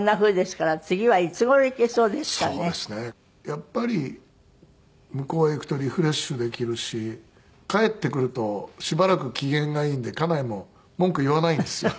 やっぱり向こうへ行くとリフレッシュできるし帰ってくるとしばらく機嫌がいいので家内も文句言わないんですよ。